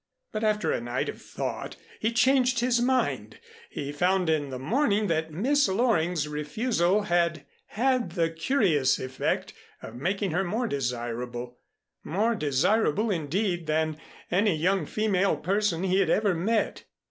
But after a night of thought he changed his mind. He found in the morning that Miss Loring's refusal had had the curious effect of making her more desirable, more desirable, indeed, than any young female person he had ever met.